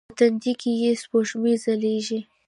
په تندې کې یې سپوږمۍ ځلیږې